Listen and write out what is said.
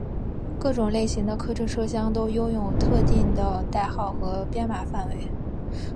各种类型的客车车厢都拥有特定的代号和编码范围。